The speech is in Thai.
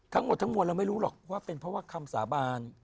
ทั้งหมดทั้งมวลเราไม่รู้หรอกว่าเป็นเพราะว่าคำสาบาน